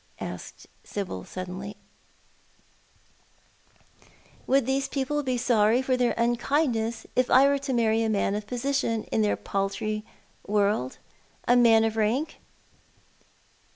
" asked Sibyl suddenly, " would these people be sorry for tlieir unkindness if I were to marry a man of position in their paltry world — a man of rank